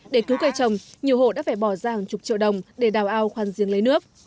để cứu cây trồng nhiều hộ đã phải bỏ ra hàng chục triệu đồng để đào ao khoan riêng lấy nước